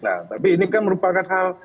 nah tapi ini kan merupakan hal